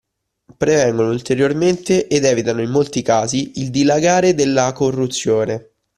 Prevengono ulteriormente ed evitano in molti casi il dilagare della corruzione